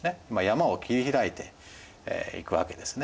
山を切り開いていくわけですね。